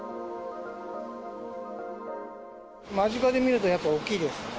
間近で見るとやっぱり大きいですね。